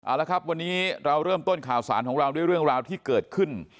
เอาละครับวันนี้เราเริ่มต้นข่าวสารของเราด้วยเรื่องราวที่เกิดขึ้น